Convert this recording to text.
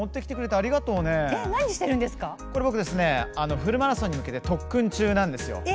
フルマラソンに向けて特訓中なんです。